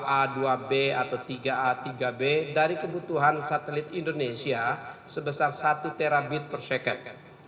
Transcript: a dua b atau tiga a tiga b dari kebutuhan satelit indonesia sebesar satu terabit per second